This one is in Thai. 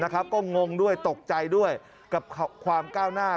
ก็งงด้วยตกใจด้วยกับความก้าวหน้า